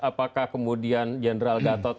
apakah kemudian general gatot